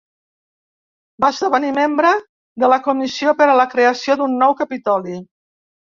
Va esdevenir membre de la comissió per a la creació d'un nou capitoli.